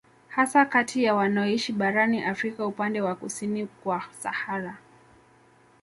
Hasa kati ya wanaoishi barani Afrika upande wa kusini kwa Sahara